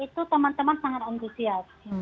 itu teman teman sangat antusias